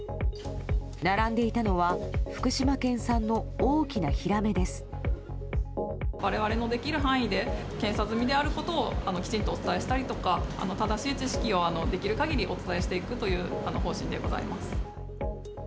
並んでいたのは、われわれのできる範囲で、検査済みであることをきちんとお伝えしたりとか、正しい知識をできるかぎりお伝えしていくという方針でございます。